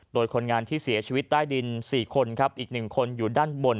โดยคนงานที่เสียชีวิตใต้ดิน๔คนครับอีก๑คนอยู่ด้านบน